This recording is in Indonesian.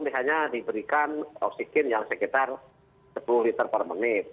misalnya diberikan oksigen yang sekitar sepuluh liter per menit